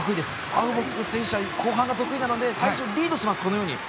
アウボック選手は後半が得意なのでリードします。